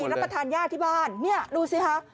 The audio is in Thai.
เธอให้ไปรักษาทานยากที่บ้านนี่ดูสิฮะ